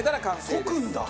溶くんだ！